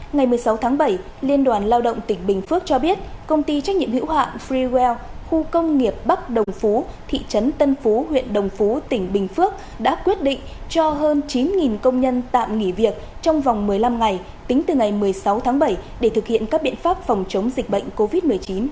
ngày một mươi sáu tháng bảy liên đoàn lao động tỉnh bình phước cho biết công ty trách nhiệm hữu hạn freel khu công nghiệp bắc đồng phú thị trấn tân phú huyện đồng phú tỉnh bình phước đã quyết định cho hơn chín công nhân tạm nghỉ việc trong vòng một mươi năm ngày tính từ ngày một mươi sáu tháng bảy để thực hiện các biện pháp phòng chống dịch bệnh covid một mươi chín